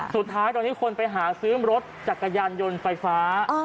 สุดท้ายตอนนี้คนไปหาซื้อรถจักรยานยนต์ไฟฟ้า